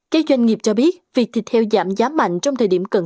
cây doanh nghiệp cho biết việc thịt heo giảm giá mạnh trong thời điểm cần